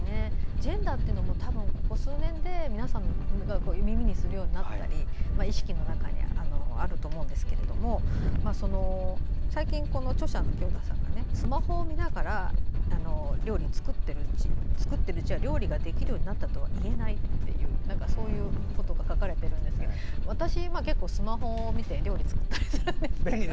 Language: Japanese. ジェンダーというのも多分ここ数年で耳にするようになったり意識の中にあると思うんですが最近、著者の清田さんがスマホを見ながら料理を作ってるうちは料理ができるようになったとはいえないということが書かれているんですが私、結構スマホを見て料理作ったりするんです。